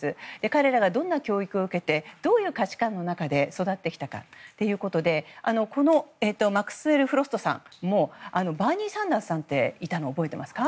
彼らがどんな教育を受けてどういう価値観の中で育ってきたかということでこのマックスウェル・フロストさんもバーニー・サンダースさんという人がいたのを覚えていますか？